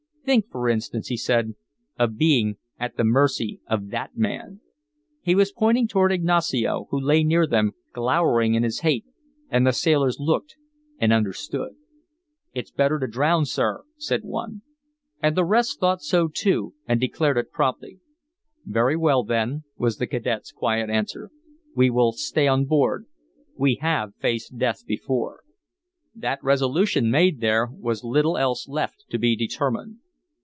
"Think, for instance," he said, "of being at the mercy of that man." He was pointing toward Ignacio, who lay near them, glowering in his hate, and the sailors looked and understood. "It's better to drown, sir," said one. And the rest thought so, too, and declared it promptly. "Very well, then," was the cadet's quiet answer, "we will stay on board. We have faced death before." That resolution made there was little else left to be determined.